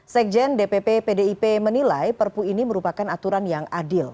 sekjen dpp pdip menilai perpu ini merupakan aturan yang adil